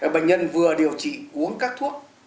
bệnh nhân vừa điều trị uống các thuốc